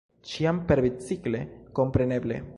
Ĉiam perbicikle, kompreneble!